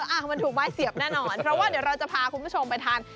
อ้าวมันถูกไม้เสียบแน่นอนเพราะว่าเดี๋ยวเราจะพาคุณผู้ชมไปทาน